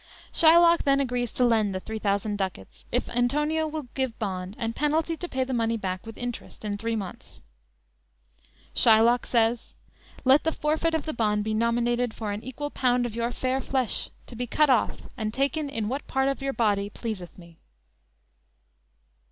"_ Shylock then agrees to lend the three thousand ducats if Antonio will give bond and penalty to pay the money back with interest in three months. Shylock says: _"Let the forfeit of the bond Be nominated for an equal pound Of your fair flesh, to be cut off, and taken In what part of your body pleaseth me!"